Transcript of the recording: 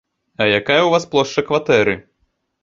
А якая ў вас плошча кватэры?